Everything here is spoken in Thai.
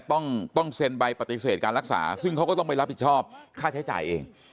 ต้องต้องเซ็นใบปฏิเสธการรักษาซึ่งเขาก็ต้องไปรับผิดชอบค่าใช้จ่ายเอง